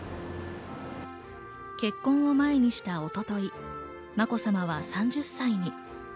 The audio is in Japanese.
結婚を前にした一昨日、まこさまは３０歳に。